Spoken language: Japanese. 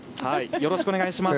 よろしくお願いします。